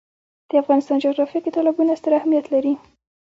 د افغانستان جغرافیه کې تالابونه ستر اهمیت لري.